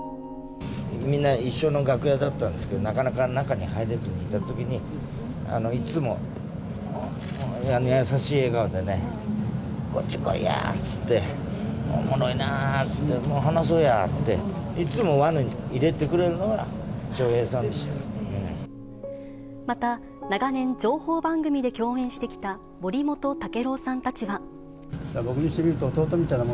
みんな一緒の楽屋だったんですけど、なかなか中に入れずにいたときに、いつも、あの優しい笑顔でね、こっち来いやーって言って、おもろいなーって言って、話そうやって言って、いつも輪に入れてくれるのは、笑瓶さんでしまた長年、情報番組で共演し僕にしてみると弟みたいなも